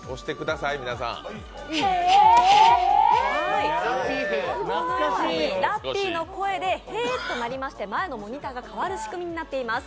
へぇラッピーの声でへぇと鳴りまして前のモニターが変わる仕組みになっています。